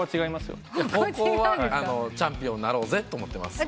チャンピオンになろうぜと思ってます。